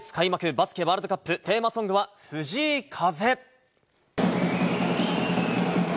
バスケワールドカップ、テーマソングは藤井風！